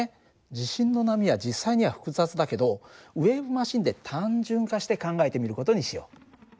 地震の波は実際には複雑だけどウエーブマシンで単純化して考えてみる事にしよう。